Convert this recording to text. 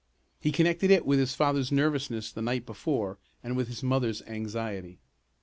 He connected it with his father's nervousness the night before and with his mother's anxiety.